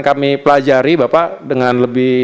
kami pelajari bapak dengan lebih